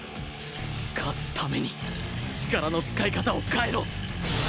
勝つために力の使い方を変えろ！